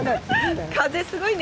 風すごいね！